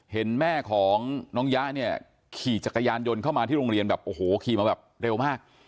เห็นแม่ของน้องยะเนี่ยขี่จักรยานยนต์เข้ามาที่โรงเรียนแบบโอ้โหขี่มาแบบเร็วมาก